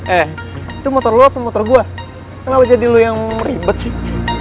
eh itu motor lo apa motor gua kenapa jadi lo yang ribet sih